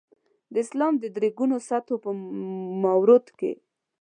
د اسلام د درې ګونو سطحو په مورد کې.